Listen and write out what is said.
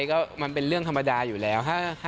ก็มันเป็นเรื่องธรรมดาอยู่แล้ว